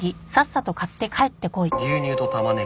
「牛乳と玉ねぎ。